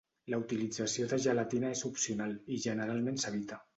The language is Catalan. La utilització de gelatina és opcional, i generalment s'evita.